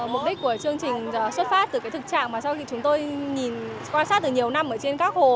mục đích của chương trình xuất phát từ thực trạng mà chúng tôi quan sát từ nhiều năm trên các hồ